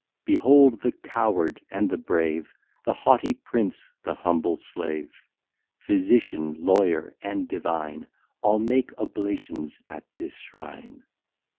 Behold the coward and the brave, The haughty prince, the humble slave, Physician, lawyer, and divine, All make oblations at this shrine.